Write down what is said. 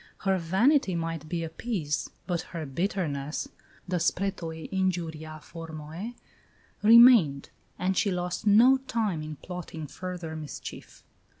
Her vanity might be appeased, but her bitterness the spretoe injuria formoe remained; and she lost no time in plotting further mischief.